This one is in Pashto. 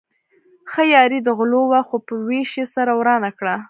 ښه یاري د غلو وه خو په وېش يې سره ورانه کړه.